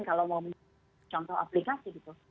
kalau mau contoh aplikasi gitu